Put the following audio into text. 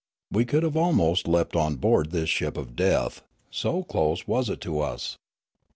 We could have almost leapt on board this ship of death, so close was it to us.